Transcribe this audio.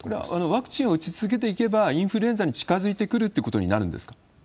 ワクチンを打ち続けていけば、インフルエンザに近づいてくるということになるんですか？